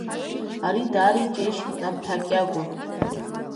Ари даара иџьеишьеит Наԥҳа Кьагәа.